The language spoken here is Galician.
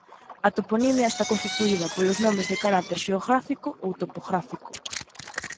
A toponimia está constituída polos nomes de carácter xeográfico ou topográfico.